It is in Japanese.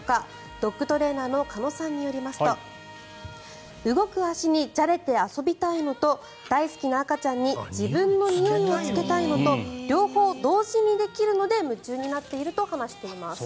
ドッグトレーナーの鹿野さんによりますと動く足にじゃれて遊びたいのと大好きな赤ちゃんに自分のにおいをつけたいのと両方同時にできるので夢中になっていると話しています。